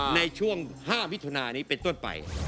ในช่วง๕วิทยาลัยนี้เป็นต้นไป